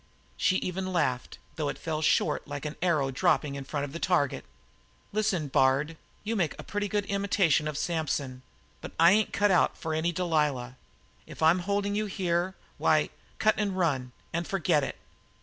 She even laughed, though it fell short like an arrow dropping in front of the target. "Listen, Bard, you make a pretty good imitation of Samson, but I ain't cut out for any Delilah. If I'm holding you here, why, cut and run and forget it."